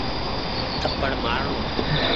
ٿپڙ مآر ڻو۔